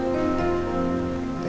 jangan kamu selalu menuntut